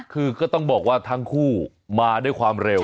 คือก็ต้องบอกว่าทั้งคู่มาด้วยความเร็ว